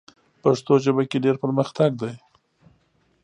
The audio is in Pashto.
پښتو ژبه کې ډېر پرمختګ دی.